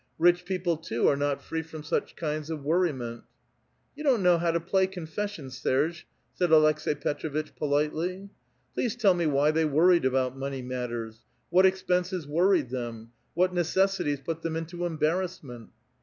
Rich people, too, are not free from such kinds of worriment —" ''You don't know how to plaj* ' Confession,* Sei^e," said Aleksi^'i Petr^vitch, politely. *' Please tell me why they worried about money matters? What expenses worried them? What necessities put them into embarrassment?"